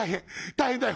大変だよ！」。